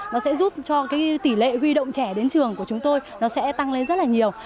nó sẽ giúp cho tỷ lệ huy động trẻ đến trường của chúng tôi nó sẽ tăng lên rất là nhiều